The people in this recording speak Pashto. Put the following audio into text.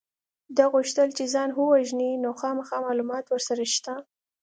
ده غوښتل چې ځان ووژني نو خامخا معلومات ورسره شته